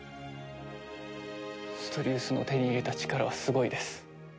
ストリウスの手に入れた力はすごいです。